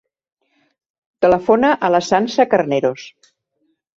Telefona a la Sança Carneros.